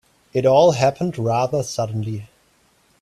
It all happened rather suddenly.